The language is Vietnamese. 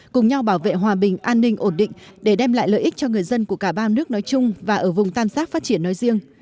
cùng nhau bảo vệ hòa bình an ninh ổn định để đem lại lợi ích cho người dân của cả ba nước nói chung và ở vùng tam giác phát triển nói riêng